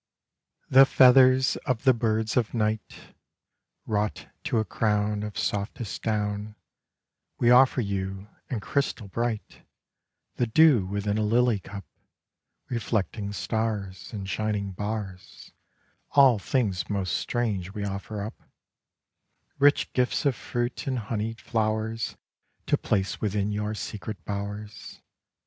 The feathers of the birds of night Wrought to a crown Of softest down We offer you, and crystal bright, The dew within a lily cup Reflecting stars In shining bars ; All things most strange we offer up — Rich gifts of fruit and honeyed flowers To place within your secret bowers.